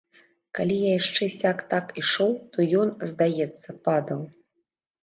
Калі я яшчэ сяк-так ішоў, то ён, здаецца, падаў.